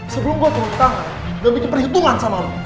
sebelum gue turun tangan dan bikin perhitungan sama lo